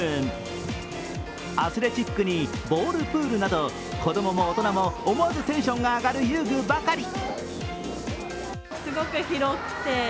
アスレチックにボールプールなど子供も大人も、思わずテンションが上がる遊具ばかり。